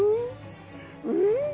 うん？